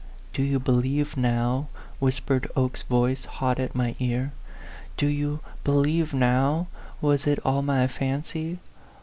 "Do you believe now?" whispered Oke's voice hot at my ear. " Do you believe now ? Was it all my fancy?